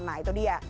nah itu dia